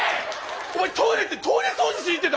お前トイレってトイレ掃除しに行ってたの？